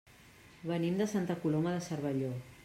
Venim de Santa Coloma de Cervelló.